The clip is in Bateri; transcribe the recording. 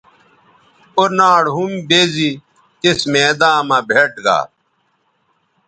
او ناڑ ھم بیزی تس میداں مہ بھیٹ گا